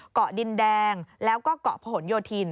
เกาะดินแดงแล้วก็เกาะพหนโยธิน